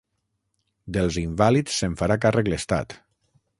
Dels invàlids se'n farà càrrec l'Estat.